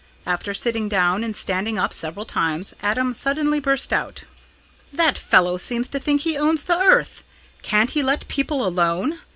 After sitting down and standing up several times, Adam suddenly burst out. "That fellow seems to think he owns the earth. Can't he let people alone!